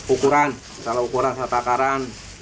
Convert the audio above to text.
ukuran salah ukuran salah takaran